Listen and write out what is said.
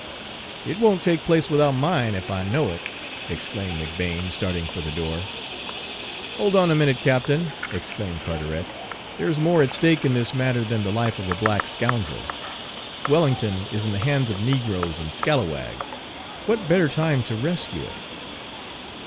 "It won't take place without mine, if I know it," exclaimed McBane, starting for the door. "Hold on a minute, captain," exclaimed Carteret. "There's more at stake in this matter than the life of a black scoundrel. Wellington is in the hands of negroes and scalawags. What better time to rescue it?"